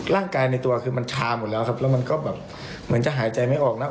ในตัวคือมันชาหมดแล้วครับแล้วมันก็แบบเหมือนจะหายใจไม่ออกแล้ว